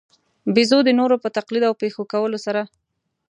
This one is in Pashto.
بېزو د نورو په تقلید او پېښو کولو سره.